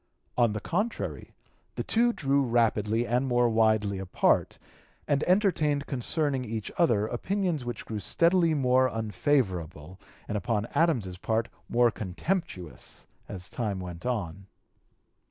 On the contrary the two drew rapidly and more widely apart, and (p. 241) entertained concerning each other opinions which grew steadily more unfavorable, and upon Adams's part more contemptuous, as time went on.